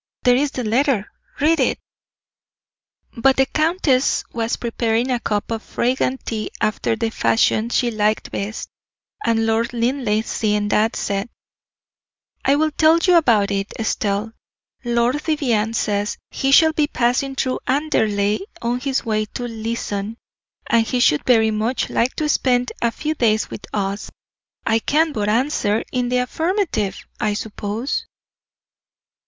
There is the letter; read it." But the countess was preparing a cup of fragrant tea after the fashion she liked best, and Lord Linleigh, seeing that, said: "I will tell you about it, Estelle. Lord Vivianne says he shall be passing through Anderley on his way to Leeson, and he should very much like to spend a few days with us. I can but answer in the affirmative, I suppose."